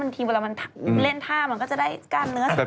ทีบละมันเล่นท่ามันก็จะได้การเนื้อสมรรติ